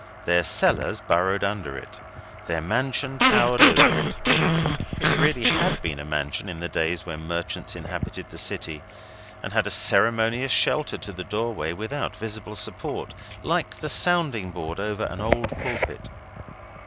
Their cellars burrowed under it, their mansion towered over it. It really had been a mansion in the days when merchants inhabited the City, and had a ceremonious shelter to the doorway without visible support, like the sounding board over an old pulpit.